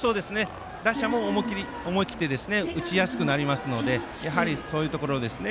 打者も思い切って打ちやすくなりますのでやはり、そういうところですね